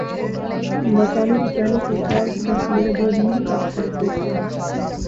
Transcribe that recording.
برطانیہ کی پہلی خودکار بس نے دو میل کا سفر طے کیا